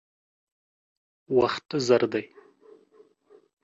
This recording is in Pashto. وخت زر دی.